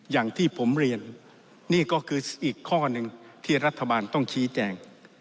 อย่างที่ผมเรียนนี่ก็คืออีกข้อหนึ่งที่รัฐบาลต้องชี้แจง